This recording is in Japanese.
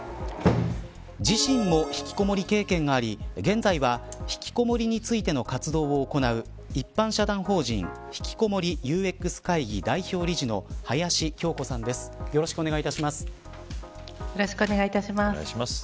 自信もひきこもり経験があり現在は、ひきこもりについての活動を行う一般社団法人ひきこもりＵＸ会議代表理事の林恭子さんです。